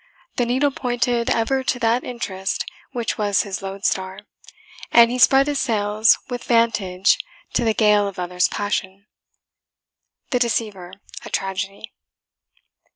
The needle pointed ever to that interest Which was his loadstar, and he spread his sails With vantage to the gale of others' passion. THE DECEIVER, A TRAGEDY.